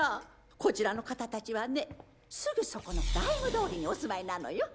こちらの方たちはねすぐそこのライム通りにお住まいなのよ。